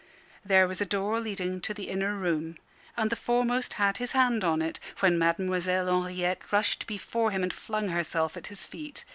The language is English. There was a door leading to the inner room, and the foremost had his hand on it, when Mademoiselle Henriette rushed before him, and flung herself at his feet.